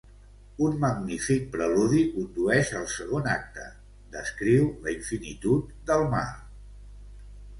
Un magnífic preludi condueix al segon acte; descriu la infinitud del mar.